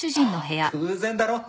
偶然だろ。